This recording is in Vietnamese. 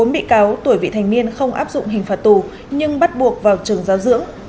bốn bị cáo tuổi vị thành niên không áp dụng hình phạt tù nhưng bắt buộc vào trường giáo dưỡng